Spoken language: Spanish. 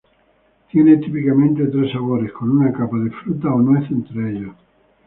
Tiene típicamente tres sabores, con una capa de fruta o nuez entre ellos.